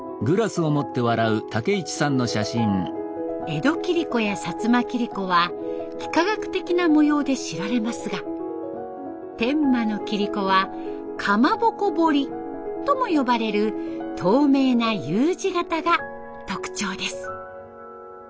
江戸切子や摩切子は幾何学的な模様で知られますが天満の切子はかまぼこ彫りとも呼ばれる透明なＵ字型が特徴です。